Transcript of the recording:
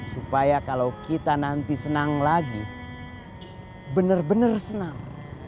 supaya kalau kita nanti senang lagi bener bener senang